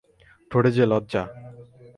ঠোঁটে যে লজ্জা।